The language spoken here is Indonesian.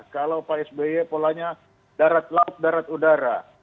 kalau pak sby polanya darat laut darat udara